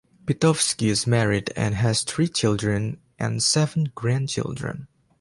Pitofsky is married and has three children and seven grandchildren.